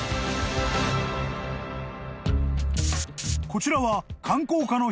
［こちらは］